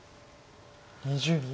２０秒。